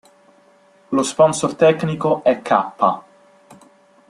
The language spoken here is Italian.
Lo sponsor tecnico è Kappa.